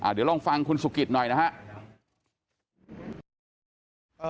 เดี๋ยวลองฟังคุณสุกิตหน่อยนะครับ